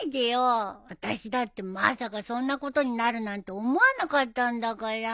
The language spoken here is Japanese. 私だってまさかそんなことになるなんて思わなかったんだから。